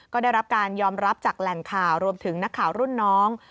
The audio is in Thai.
ก็ได้รับการยอมรับจากแหล่งข่าวรวมถึงนักข่าวรุ่นน้อง